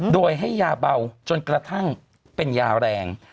โดยให้ยาเบาจนกระทั่งเป็นยาแรง